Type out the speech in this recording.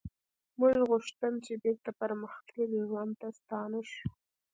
موږ غوښتل چې بیرته پرمختللي ژوند ته ستانه شو